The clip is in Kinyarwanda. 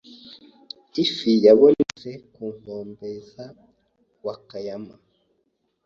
Ifi yabonetse ku nkombe za Wakayama.